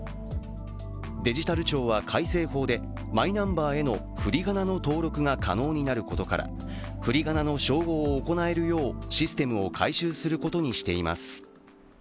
デジタル庁は、改正法でマイナンバーへのふりがなの登録が可能になることから、ふりがなの照合を行えるようシステムを改修することにしています。